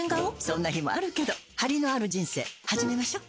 そんな日もあるけどハリのある人生始めましょ。